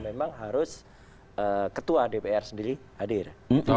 memang harus ketua dpr sendiri hadir